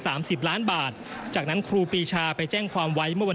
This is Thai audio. จำนวน๓๐ล้านบาทจากนั้นครูปีชาไปแจ้งความวัสเก่า